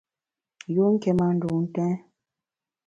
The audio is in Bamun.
Yun nké ma ndun ntèn.